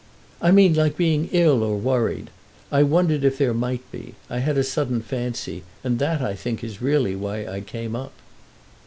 "I mean like being ill or worried. I wondered if there might be; I had a sudden fancy; and that, I think, is really why I came up."